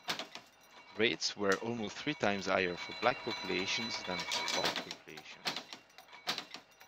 Rates were almost three times higher for black populations than for white populations.